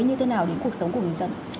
như thế nào đến cuộc sống của người dân